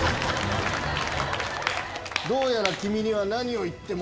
どうやら君には何を言っても